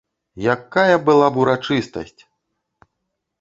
Якая была б урачыстасць!